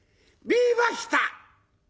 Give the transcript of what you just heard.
見えました！」。